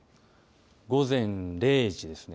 午前０時ですね。